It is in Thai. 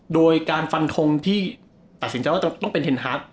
โดยการฟันทงที่ตัดสินใจว่าจะต้องเป็นเทนฮาร์ด